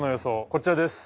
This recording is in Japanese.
こちらです。